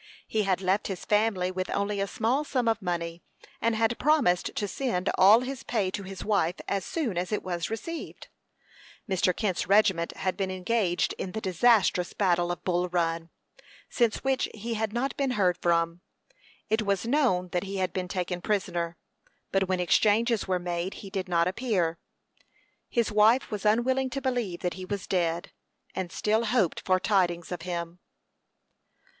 He had left his family with only a small sum of money, and had promised to send all his pay to his wife, as soon as it was received. Mr. Kent's regiment had been engaged in the disastrous battle of Bull Run, since which he had not been heard from. It was known that he had been taken prisoner, but when exchanges were made he did not appear. His wife was unwilling to believe that he was dead, and still hoped for tidings of him.